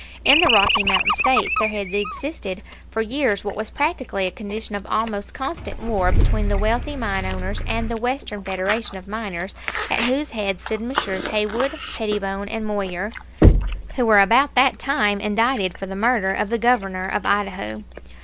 In the Rocky Mountain States there had existed for years what was practically a condition of almost constant war between the wealthy mine owners and the Western Federation of Miners, at whose head stood Messrs. Haywood, Pettibone, and Moyer, who were about that time indicted for the murder of the Governor of Idaho.